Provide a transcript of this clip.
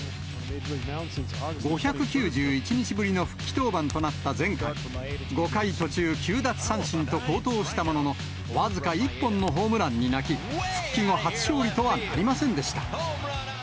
５９１日ぶりの復帰登板となった前回、５回途中９奪三振と好投したものの、僅か１本のホームランに泣き、復帰後初勝利とはなりませんでした。